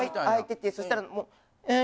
開いててそしたらもう。